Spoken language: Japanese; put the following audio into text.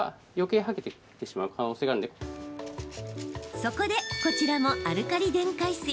そこで、こちらもアルカリ電解水。